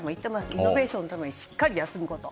イノベーションのためにしっかり休むこと。